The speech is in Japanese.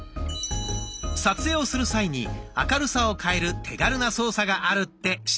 撮影をする際に明るさを変える手軽な操作があるって知っていますか？